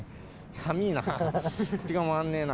寒いな。